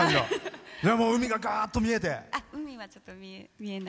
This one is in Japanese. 海が、がーっと見えて。